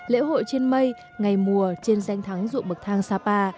lễ hội trên mây ngày mùa trên danh thắng rụ bực thang sapa